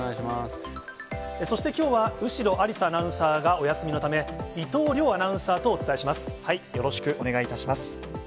そしてきょうは、後呂有紗アナウンサーがお休みのため、伊藤遼アナウンサーとお伝よろしくお願いいたします。